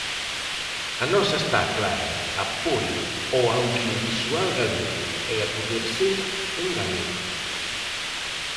A nosa está clara: apoio ao audiovisual galego e, a poder ser, en galego.